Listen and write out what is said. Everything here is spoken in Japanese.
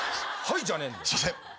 すいません。